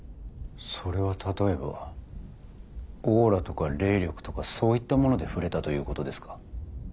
それは例えばオーラとか霊力とかそういったもので触れたということですか？